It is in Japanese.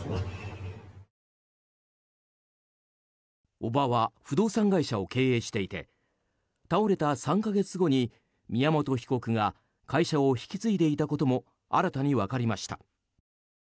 叔母は不動産会社を経営していて倒れた３か月後に宮本被告が会社を引き継いでいたことも新たに分かりました。